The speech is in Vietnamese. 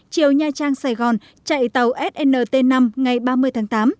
chiều nha trang sài gòn chạy tàu snt năm ngày ba mươi tháng tám